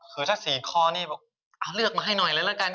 คือถ้า๔คอนี่บอกเลือกมาให้หน่อยเลยละกัน